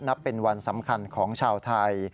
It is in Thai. นับเป็นวันสำคัญของชาวไทย